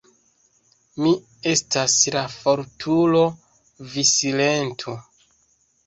"Mi estas la fortulo, vi silentu.